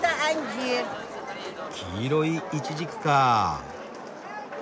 黄色いイチジクかあ。